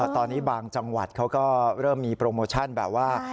ตอนนี้บางจังหวัดเขาก็เริ่มมีโปรโมชั่นแบบว่า